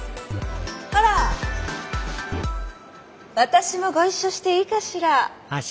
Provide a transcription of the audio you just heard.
あら私もご一緒していいかしら？